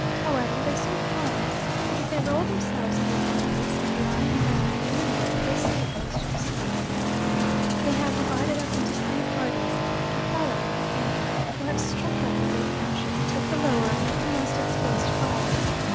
However, they soon find that if they roll themselves in their blankets, and lie on the ground to windward they escape most of the smoke. They have divided up into three parties: Kefalla and Xenia, who have struck up a great friendship, take the lower, the most exposed fire.